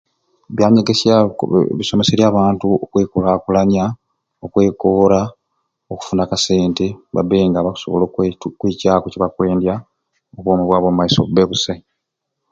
Ebyanyegesya biko bisomeserye abantu ebyankulakulanya, okwekoora okufuna akasente babe nga bakusobola okwetu okweikyaku kyebakwendya obwomi bwabwe omumaiso bube busai.